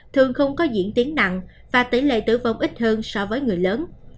thường không có diễn tiến nặng và tỷ lệ tử vong ít hơn so với người lớn